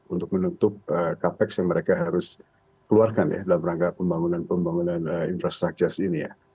untuk menutup capex yang mereka harus keluarkan ya dalam rangka pembangunan pembangunan infrastruktur ini ya